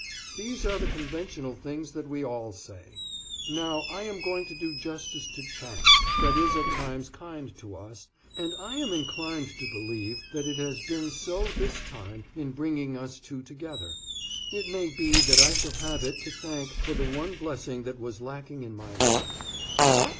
These are the conventional things that we all say. Now, I am going to do justice to Chance, that is at times kind to us, and I am inclined to believe that it has been so this time in bringing us two together. It may be that I shall have it to thank for the one blessing that was lacking in my life."